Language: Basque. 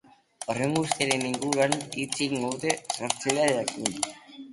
Horren guztiaren inguruan hitz egingo dute sortzailearekin.